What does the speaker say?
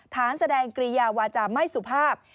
แสดงกิริยาวาจาไม่สุภาพ